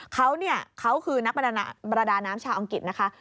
เขาเนี่ยเขาคือนักประดาน้ำชาวอังกฤษนะคะ